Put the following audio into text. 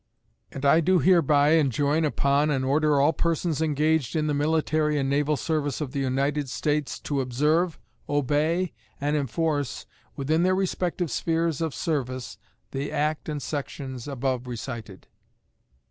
And I do hereby enjoin upon and order all persons engaged in the military and naval service of the United States to observe, obey, and enforce, within their respective spheres of service, the act and sections above recited.